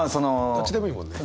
どっちでもいいもんね。